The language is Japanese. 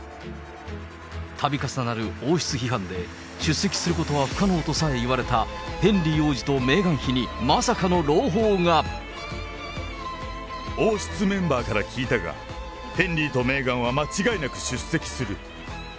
たび重なる王室批判で、出席することは不可能とさえ言われたヘンリー王子とメーガン妃に王室メンバーから聞いたが、ヘンリーとメーガンは間違いなく出席する。